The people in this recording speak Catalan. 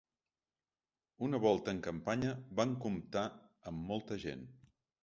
Una volta en campanya vam comptar amb molta gent.